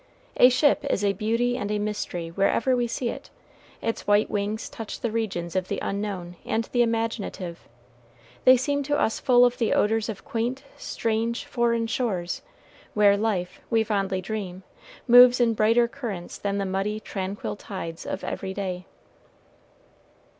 A ship is a beauty and a mystery wherever we see it: its white wings touch the regions of the unknown and the imaginative; they seem to us full of the odors of quaint, strange, foreign shores, where life, we fondly dream, moves in brighter currents than the muddy, tranquil tides of every day.